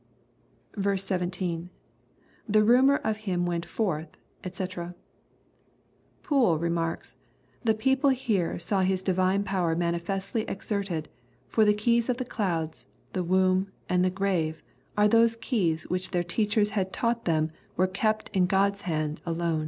214 EXPOSITOBY THOUGHTS 17. — [ThtB rumor of Exm went forth, <fcc.] Poole remarks, * Tli« people *iere saw His divine power manifestly exerted; for the keys of the clou«ls, the wo«b, and the grave, are those keys which their teachers had taught them were kept in God's hand alone."